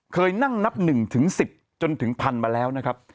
เคยนั่งนับ๑๑๐จนถึงพันมาแล้วนะครับ